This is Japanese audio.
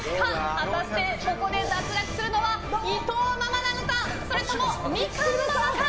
果たして、ここで脱落するのは伊藤ママなのかそれともみかんママか。